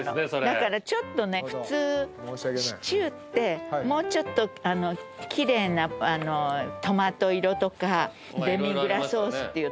だからちょっとね普通シチューってもうちょっときれいなトマト色とかデミグラスソースっていうの？